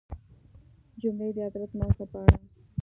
جملې د حضرت محمد ﷺ په اړه